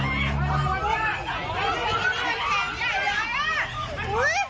เดินไป